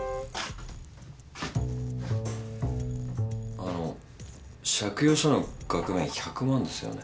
あの借用書の額面１００万ですよね。